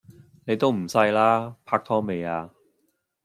你都唔細啦！拍拖未呀